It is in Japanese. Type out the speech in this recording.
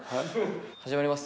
始まります。